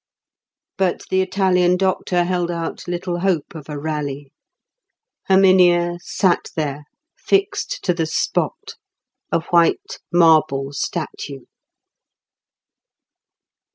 But the Italian doctor held out little hope of a rally. Herminia sat there, fixed to the spot, a white marble statue.